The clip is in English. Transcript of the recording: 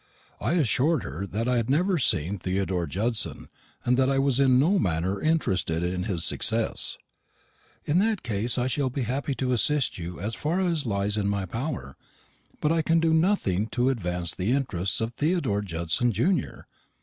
I assured her that I had never seen Theodore Judson, and that I was in no manner interested in his success. "In that case I shall be happy to assist you as far as lies in my power; but I can do nothing to advance the interests of Theodore Judson junior.